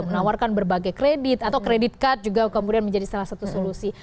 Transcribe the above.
menawarkan berbagai kredit atau kredit card juga kemudian menjadi salah satu solusi